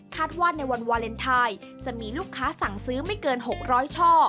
ว่าในวันวาเลนไทยจะมีลูกค้าสั่งซื้อไม่เกิน๖๐๐ช่อ